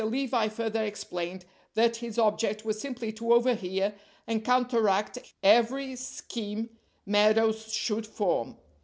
Levi further explained that his object was simply to overhear and counteract every scheme Meadows should form.